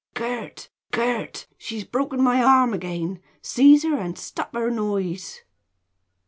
"Gurt! Gurt! she's broken my arm again! Seize her and stop her noise!"